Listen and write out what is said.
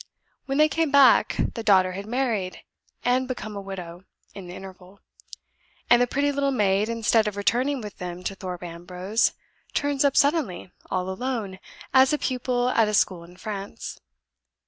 When they came back, the daughter had married, and become a widow, in the interval; and the pretty little maid, instead of returning with them to Thorpe Ambrose, turns up suddenly, all alone, as a pupil at a school in France.